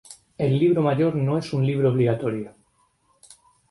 El Libro Mayor no es un libro obligatorio.